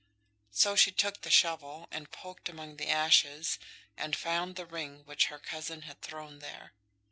So she took the shovel, and poked among the ashes, and found the ring which her cousin had thrown there.